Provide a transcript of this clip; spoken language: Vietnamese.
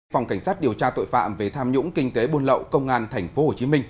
phòng cảnh sát điều tra tội phạm về tham nhũng kinh tế buôn lậu công an tp hcm